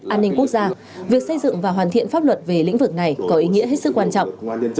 an ninh quốc gia việc xây dựng và hoàn thiện pháp luật về lĩnh vực này có ý nghĩa hết sức quan trọng